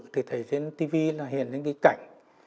thì thấy trên tv là hiện những cái cảnh